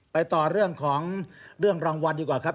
ไปต่อเรื่องของเรื่องรางวัลดีกว่าครับ